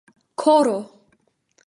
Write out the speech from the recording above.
koro